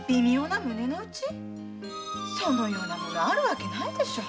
そのようなものあるわけないでしょう！